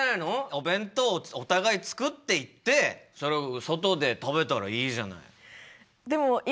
お弁当をお互い作っていってそれを外で食べたらいいじゃない。